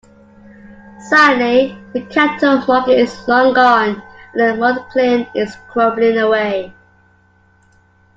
Sadly, the cattle market is long gone and the malt kiln is crumbling away.